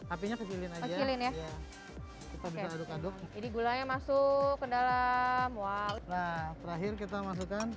apinya kecilin aja ya kita bisa aduk aduk jadi gulanya masuk ke dalam wao terakhir kita masukkan